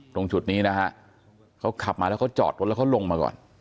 ตรงจุดนี้นะฮะเขาขับมาแล้วเขาจอดรถแล้วเขาลงมาก่อน